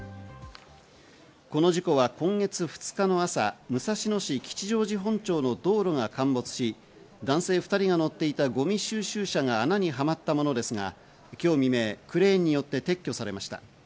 この事故は今月２日の朝、武蔵野市吉祥寺本町の道路が陥没し、男性２人が乗っていたゴミ収集車が穴にはまったものですが、今日未明、クレーンによって撤去されました。